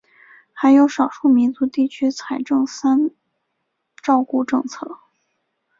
还有少数民族地区财政三照顾政策。